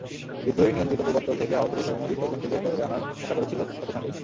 বিদ্রোহী-নিয়ন্ত্রিত পূর্বাঞ্চল থেকে আহত বেসামরিক লোকজনকে বের করে আনার আশা করেছিল জাতিসংঘ।